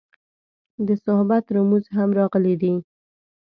د صحبت رموز هم راغلي دي.